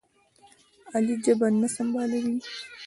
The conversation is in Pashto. علي ژبه نه سنبالوي.